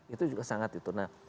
itu juga sangat itu nah